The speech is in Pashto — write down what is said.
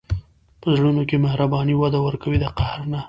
په زړونو کې مهرباني وده ورکوي، د قهر نه.